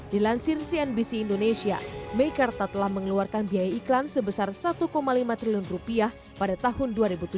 dilansir cnbc indonesia meikarta telah mengeluarkan biaya iklan sebesar satu lima triliun rupiah pada tahun dua ribu tujuh belas